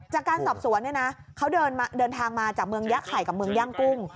จากการสอบสวนเนี่ยนะเขาเดินทางมาจากเมืองยะไข่กับเมืองย่างกุ้ง